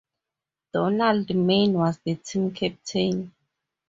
Donald Main was the team captain.